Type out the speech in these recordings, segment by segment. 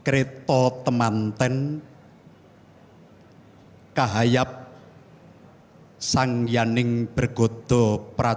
kita akan simak bersama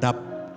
sama